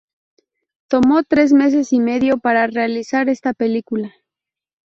Tomó tres meses y medio para realizar esta película.